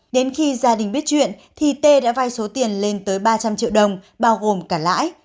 đến khi gia đình biết chuyện thì tê đã vay số tiền lên tới ba trăm linh triệu đồng bao gồm cả lãi